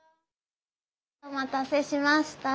お待たせしました。